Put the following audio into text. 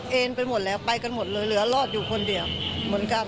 พูดสิทธิ์ข่าวธรรมดาทีวีรายงานสดจากโรงพยาบาลพระนครศรีอยุธยาครับ